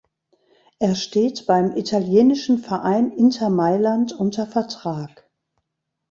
Er steht beim italienischen Verein Inter Mailand unter Vertrag.